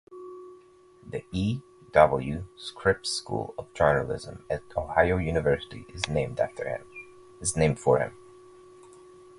The E. W. Scripps School of Journalism at Ohio University is named for him.